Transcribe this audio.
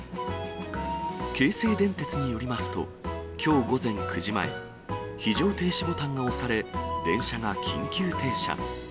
京成電鉄によりますと、きょう午前９時前、非常停止ボタンが押され、電車が緊急停車。